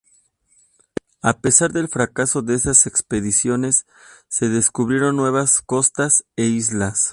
A pesar del fracaso de esas expediciones, se descubrieron nuevas costas e islas.